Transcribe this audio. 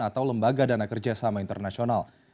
atau lembaga dana kerjasama internasional